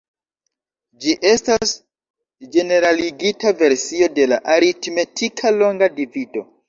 Ĝi estas ĝeneraligita versio de la aritmetika longa divido.